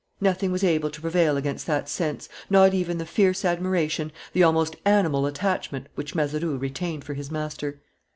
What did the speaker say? Nothing was able to prevail against that sense, not even the fierce admiration, the almost animal attachment which Mazeroux retained for his master.